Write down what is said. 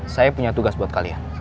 saya punya tugas buat kalian